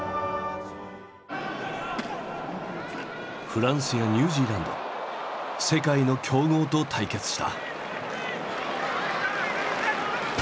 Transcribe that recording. フランスやニュージーランド世界の強豪と対決した。